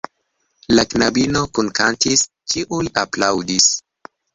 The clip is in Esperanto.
La knabino kunkantis, ĉiuj aplaŭdis.